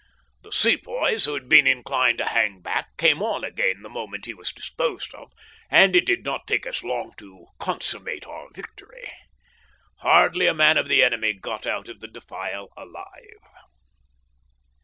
The Sepoys, who had been inclined to hang back, came on again the moment he was disposed of, and it did not take us long to consummate our victory. Hardly a man of the enemy got out of the defile alive.